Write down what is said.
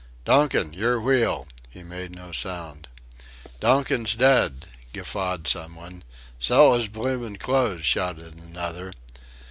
"Donkin, your wheel." He made no sound. "Donkin's dead," guffawed some one, "Sell 'is bloomin' clothes," shouted another.